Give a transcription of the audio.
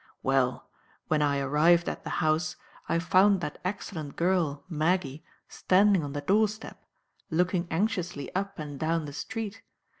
Well, when I arrived at the house, I found that excellent girl, Maggie, standing on the doorstep, looking anxiously up and down the street.